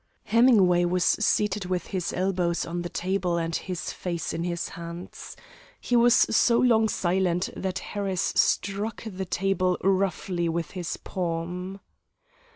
Hemingway was seated with his elbows on the table and his face in his hands. He was so long silent that Harris struck the table roughly with his palm.